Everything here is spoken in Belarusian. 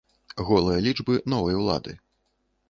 Голыя лічбы новай улады.